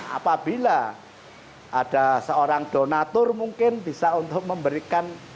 apabila ada seorang donatur mungkin bisa untuk memberikan